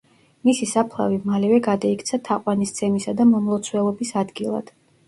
მისი საფლავი მალევე გადაიქცა თაყვანისცემისა და მომლოცველობის ადგილად.